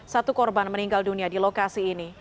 satu korban meninggal dunia di lokasi ini